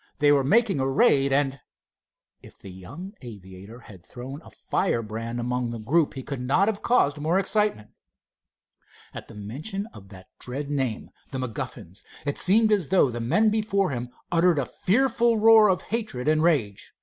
They were making a raid, and——" If the young aviator had thrown a firebrand among the group he could not have caused more excitement. At the mention of that dread name, "the MacGuffins," it seemed as though the men before him uttered a fearful roar of hatred and rage.